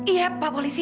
iya pak polisi